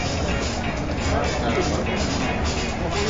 Ga a ka a araba mmaagwe.